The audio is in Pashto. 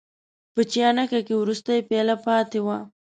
په چاینکه کې وروستۍ پیاله پاتې وه.